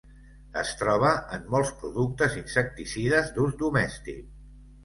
Es troba en molts productes insecticides d'ús domèstic.